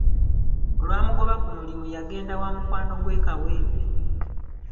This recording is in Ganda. Olwamugoba ku mulimu yagenda wa mukwano ggwe e Kawempe.